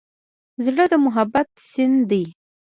زړه د محبت سیند دی.